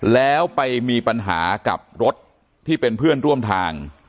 แล้วไปมีปัญหากับรถที่เป็นเพื่อนร่วมทาง